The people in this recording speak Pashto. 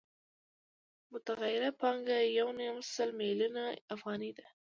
متغیره پانګه یو نیم سل میلیونه افغانۍ ده